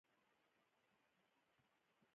احمده! غواييتوب مه کوه.